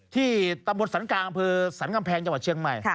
ที่ตำบลสรรค์กลางคือสรรค์กำแพงจังหวัดเชียงใหม่